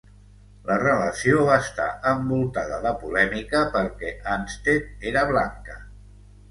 La relació va està envoltada de polèmica perquè Anstett era blanca.